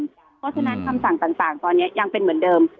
เพราะฉะนั้นคำสั่งต่างตอนนี้ยังเป็นเหมือนเดิม